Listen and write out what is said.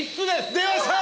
出ました！